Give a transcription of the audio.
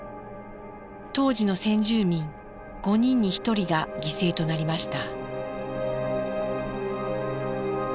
当時の先住民５人に１人が犠牲となりました。